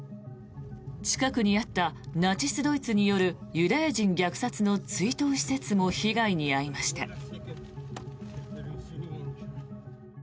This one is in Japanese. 近くにあったナチス・ドイツによるユダヤ人虐殺の追悼施設も被害に遭いました。